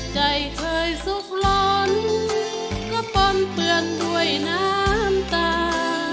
ใจเคยสุขล้นก็ปนเปลืองด้วยน้ำตา